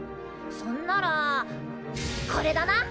そんならこれだな！